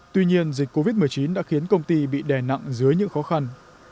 tuy nhiên dịch covid một mươi chín đã khiến công ty bị đè nặng dưới những khó khăn